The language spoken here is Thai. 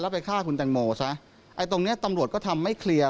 แล้วไปฆ่าคุณจังโมซะตรงนี้ตำรวจก็ทำไม่เคลียร์